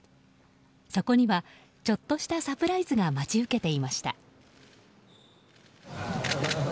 そこにはちょっとしたサプライズが待ち受けていました。